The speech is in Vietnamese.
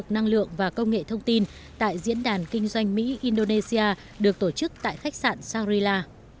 năng lượng và công nghệ thông tin tại diễn đàn kinh doanh mỹ indonesia được tổ chức tại khách sạn sharila